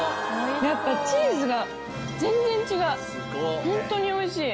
やっぱチーズが全然違うホントにおいしい。